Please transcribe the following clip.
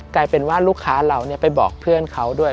กลายเป็นว่าลูกค้าเราไปบอกเพื่อนเขาด้วย